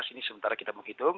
ini sementara kita menghitung